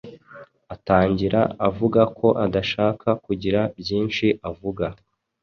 atangira avuga ko adashaka kugira byinshi avuga